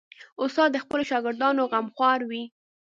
استاد د خپلو شاګردانو غمخور وي.